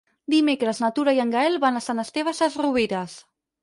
Dimecres na Tura i en Gaël van a Sant Esteve Sesrovires.